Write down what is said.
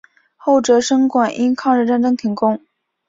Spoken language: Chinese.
后哲生馆因抗日战争停工。